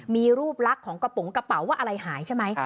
มีรูปลักษณ์ของกระโปรงกระเป๋าว่าอะไรหายใช่ไหม